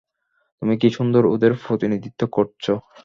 তুমি কী সুন্দর ওদের প্রতিনিধিত্ব করছ।